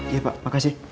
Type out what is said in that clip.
iya pak makasih